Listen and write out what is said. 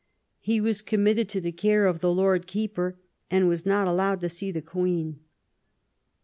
He was committed to the care of the Lord Keeper and was not allowed to see the Queen.